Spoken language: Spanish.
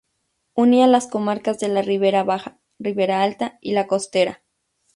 Unía las comarcas de la Ribera baja, Ribera alta y La costera.